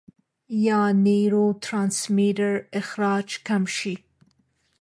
يا نيوروټرانسميټر اخراج کم شي -